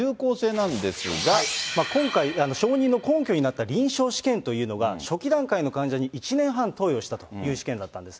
今回、承認の根拠になった臨床試験というのが、初期段階の患者に１年半投与したという試験だったんです。